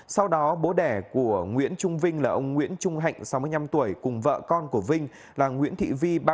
sau đó bố đẻ của nguyễn trung vinh là ông nguyễn trung hạnh sáu mươi năm tuổi cùng vợ con của vinh là nguyễn thị vi